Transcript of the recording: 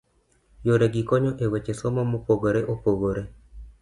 Yore gi konyo e weche somo mopogore opogore.